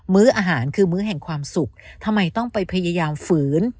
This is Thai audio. ื้ออาหารคือมื้อแห่งความสุขทำไมต้องไปพยายามฝืน